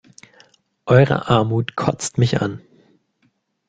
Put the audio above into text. Eure Armut kotzt mich an!